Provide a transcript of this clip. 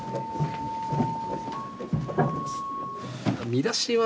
見出しは。